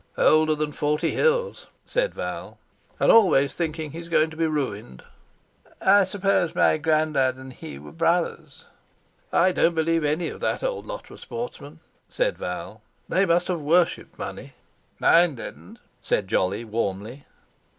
"Older than forty hills," said Val, "and always thinking he's going to be ruined." "I suppose my granddad and he were brothers." "I don't believe any of that old lot were sportsmen," said Val; "they must have worshipped money." "Mine didn't!" said Jolly warmly.